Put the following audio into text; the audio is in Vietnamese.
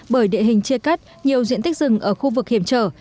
bởi địa hình chia cắt nhiều diện tích rừng ở khu vực hiểm trở